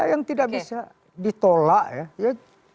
yang tidak bisa ditolak ya